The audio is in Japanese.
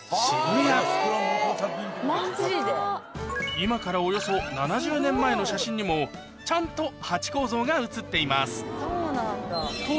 今からおよそ７０年前の写真にもちゃんとハチ公像が写っています